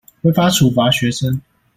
違法處罰學生